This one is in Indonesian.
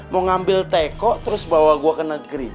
mau ngambil teko terus bawa gue ke negeri